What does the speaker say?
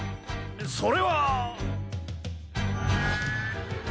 それは。